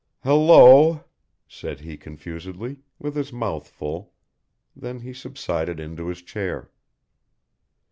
"Hello," said he confusedly, with his mouth full then he subsided into his chair.